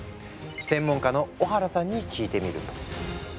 専門家の小原さんに聞いてみると。